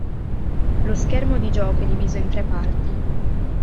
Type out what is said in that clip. Lo schermo di gioco è diviso in tre parti.